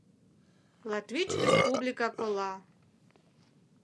Латвич республика кола.